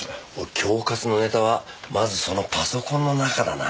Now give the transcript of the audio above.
恐喝のネタはまずそのパソコンの中だな。